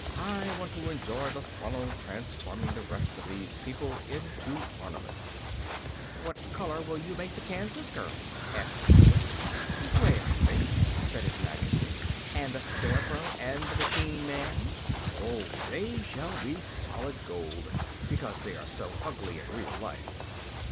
I want to enjoy the fun of transforming the rest of these people into ornaments." "What color will you make the Kansas girl?" asked the Steward. "Gray, I think," said his Majesty. "And the Scarecrow and the machine man?" "Oh, they shall be of solid gold, because they are so ugly in real life."